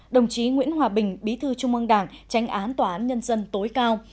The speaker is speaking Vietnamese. đồng chí nguyễn hòa bình bí thư trung ương đảng tránh án tòa án nhân dân tối cao